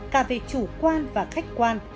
cả về chủ quan và khách quan